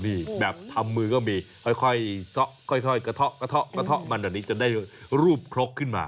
นี่แบบทำมือก็มีค่อยกระเทาะกระเทาะกระเทาะมันแบบนี้จะได้รูปครกขึ้นมา